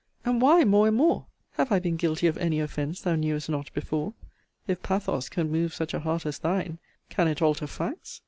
and why more and more! have I been guilty of any offence thou knewest not before? If pathos can move such a heart as thine, can it alter facts!